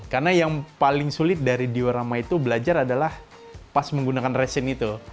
karena yang paling sulit dari diorama itu belajar adalah pas menggunakan resin itu